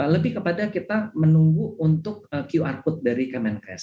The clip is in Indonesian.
lebih kepada kita menunggu untuk qr code dari kemenkes